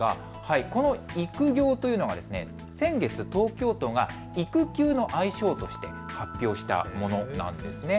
この育業というのは先月、東京都が育休の愛称として発表したものです。